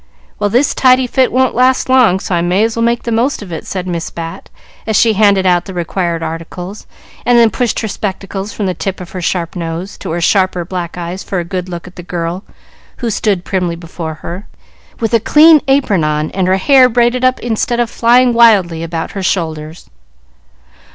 Well, this tidy fit won't last long, so I may as well make the most of it," said Miss Bat, as she handed out the required articles, and then pushed her spectacles from the tip of her sharp nose to her sharper black eyes for a good look at the girl who stood primly before her, with a clean apron on and her hair braided up instead of flying wildly about her shoulders.